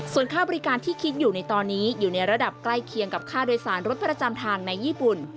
ส่วนค่าบริการที่คิดอยู่ในตอนนี้อยู่ในระดับใกล้เคียงกับค่าโดยสารรถประจำทางในญี่ปุ่น